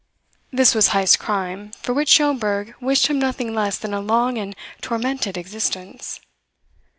This was Heyst's crime, for which Schomberg wished him nothing less than a long and tormented existence.